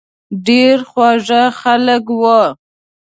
ډېر خواږه خلک وو.